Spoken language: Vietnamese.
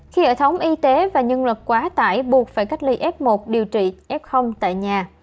khi hệ thống y tế và nhân lực quá tải buộc phải cách ly f một điều trị f tại nhà